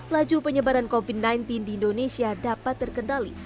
laju penyebaran covid sembilan belas di indonesia dapat terkendali